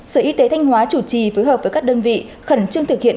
sở y tế thanh hóa chủ trì phối hợp với các đơn vị khẩn trương thực hiện